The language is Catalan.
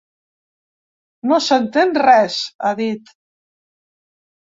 No s’entén res, ha dit.